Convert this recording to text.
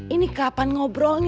ini kapan ngobrolnya kalau di sini